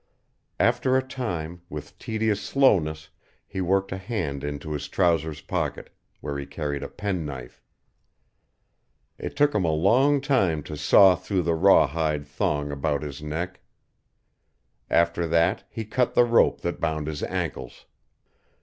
After a time, with tedious slowness, he worked a hand into his trousers' pocket, where he carried a pen knife. It took him a long time to saw through the rawhide thong about his neck. After that he cut the rope that bound his ankles.